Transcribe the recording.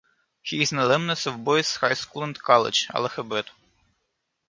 He is an alumnus of Boys' High School And College, Allahabad.